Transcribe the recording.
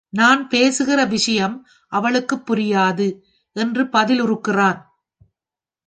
நான் பேசுகிற விஷயம் அவளுக்குப் புரியாது! என்று பதிலிறுக்கிறான்.